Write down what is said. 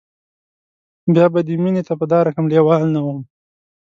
بیا به دې مینې ته په دا رقم لیوال نه وم